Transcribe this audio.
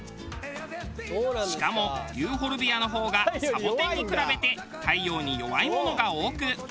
しかもユーフォルビアの方がサボテンに比べて太陽に弱いものが多く。